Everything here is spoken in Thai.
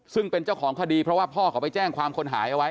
ซึ่งเป็นเจ้าของคดีเพราะว่าพ่อเขาไปแจ้งความคนหายเอาไว้